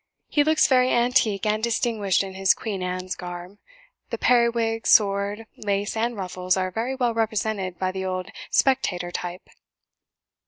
He looks very antique and distinguished in his Queen Anne's garb; the periwig, sword, lace, and ruffles are very well represented by the old 'Spectator' type."